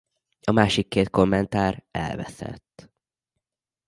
A másik két kommentár elveszett.